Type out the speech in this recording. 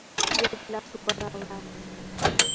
یو گیلاس اوبه راوړه